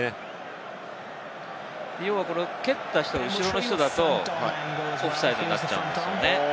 蹴った人が後ろの人だったんですよね、そうだとオフサイドになっちゃうんですよね。